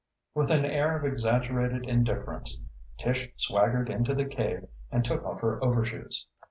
With an air of exaggerated indifference Tish swaggered into the cave and took off her overshoes.